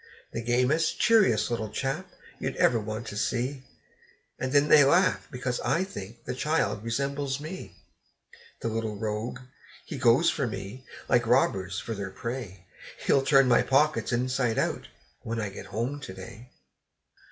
The gamest, cheeriest little chap, you'd ever want to see! And then they laugh, because I think the child resembles me. The little rogue! he goes for me, like robbers for their prey; He'll turn my pockets inside out, when I get home to day.